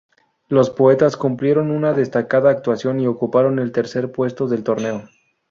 Los "Poetas", cumplieron una destacada actuación y ocuparon el tercer puesto del torneo.